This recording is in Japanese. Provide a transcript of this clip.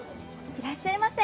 いらっしゃいませ。